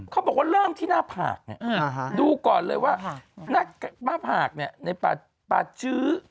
เขาบอกว่าเริ่มที่หน้าผากเนี่ยดูก่อนเลยว่าน่าภาพเนี่ยในปาชื้อ